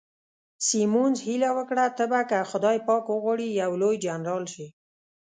سیمونز هیله وکړه، ته به که خدای پاک وغواړي یو لوی جنرال شې.